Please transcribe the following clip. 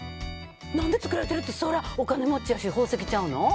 何で作られてるってそりゃ、お金持ちやし宝石ちゃうの？